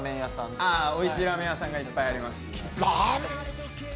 あおいしいラーメン屋さんがいっぱいあります。